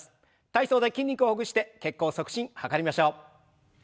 体操で筋肉をほぐして血行促進図りましょう。